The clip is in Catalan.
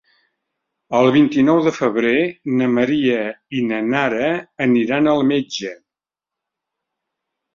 El vint-i-nou de febrer na Maria i na Nara aniran al metge.